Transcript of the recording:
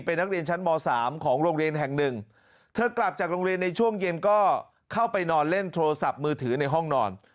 เป็นนักเรียนชั้นม๓ของโรงเรียนแห่งหนึ่งเธอกลับจากโรงเรียนในช่วงเย็นก็เข้าไปนอนเล่นโทรศัพท์มือถือในห้องนอน